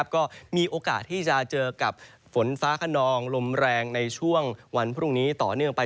ก็มีโอกาสที่จะเจอกับฝนฟ้าขนองลมแรงในช่วงวันพรุ่งนี้ต่อเนื่องไป